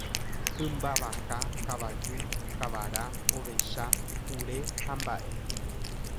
Hymba vaka, kavaju, kavara, ovecha, kure hamba'e